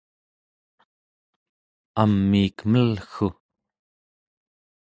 amiik mel'ggu!